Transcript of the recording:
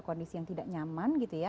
kondisi yang tidak nyaman